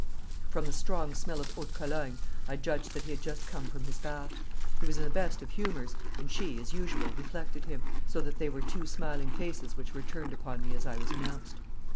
From the strong smell of eau de Cologne I judged that he had just come from his bath. He was in the best of humours, and she, as usual, reflected him, so that they were two smiling faces which were turned upon me as I was announced.